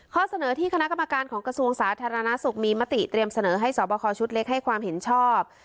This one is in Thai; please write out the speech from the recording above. ข้อเสนอที่คณะกรรมการของกระทรวงสาธารณสุขมีมติเตรียมเสนอให้สอบคอชุดเล็กให้ความเห็นชอบ